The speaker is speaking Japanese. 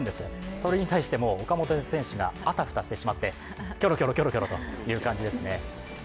それに対して岡本選手があたふたしてしまってキョロキョロという感じですね。